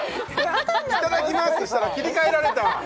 「いただきまーす」したら切り替えられた！